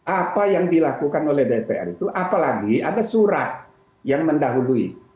apa yang dilakukan oleh dpr itu apalagi ada surat yang mendahului